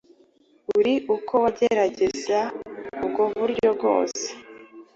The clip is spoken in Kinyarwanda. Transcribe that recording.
ari uko wagerageza ubwo buryo bwose